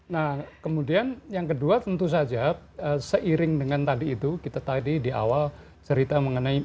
nah kemudian yang kedua tentu saja seiring dengan tadi itu kita tadi di awal cerita mengenai